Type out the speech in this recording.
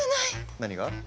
何が？